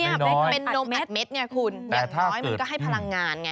เป็นนมอัดเม็ดเนี่ยคุณอย่างน้อยมันก็ให้พลังงานไง